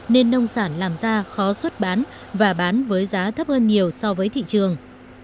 nên nông sản làm ra khó xuất bán và bán với giá thấp hơn nhiều so với thị trường